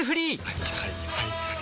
はいはいはいはい。